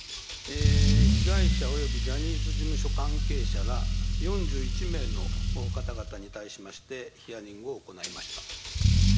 被害者およびジャニーズ事務所関係者ら４１名の方々に対しまして、ヒアリングを行いました。